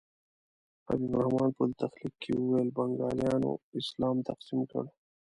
حبیب الرحمن په پولتخنیک کې وویل بنګالیانو اسلام تقسیم کړ.